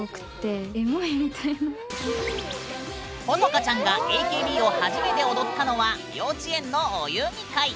ほのかちゃんがＡＫＢを初めて踊ったのは幼稚園のお遊戯会。